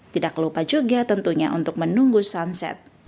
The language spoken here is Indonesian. tidak lupa juga tentunya untuk menunggu sunset